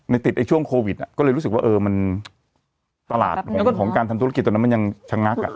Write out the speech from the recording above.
ติดไอ้ช่วงโควิดก็เลยรู้สึกว่าเออมันตลาดของการทำธุรกิจตอนนั้นมันยังชะงัก